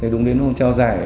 đúng đến hôm trao giải